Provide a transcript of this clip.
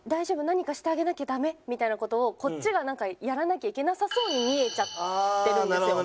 何かしてあげなきゃダメ？みたいな事をこっちがなんかやらなきゃいけなさそうに見えちゃってるんですよ。